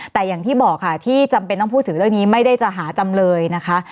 แต่อย่างที่บอกค่ะที่จำเป็นต้องพูดถึงเรื่องนี้ไม่ได้จะหาจำเลยนะคะ